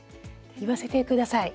言わせて下さい。